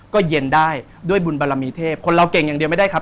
ก็เย็นได้ด้วยบุญบารมีเทพคนเราเก่งอย่างเดียวไม่ได้ครับ